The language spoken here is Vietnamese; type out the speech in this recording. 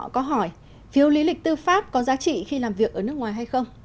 có hỏi phiếu lý lịch tư pháp có giá trị khi làm việc ở nước ngoài hay không